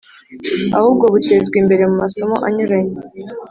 ahubwo butezwa imbere mu masomo anyuranye,